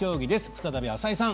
再び浅井さん